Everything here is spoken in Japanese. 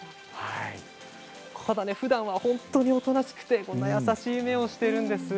ふだんは本当におとなしくて優しい目をしているんです。